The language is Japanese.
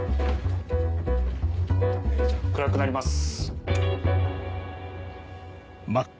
暗くなります。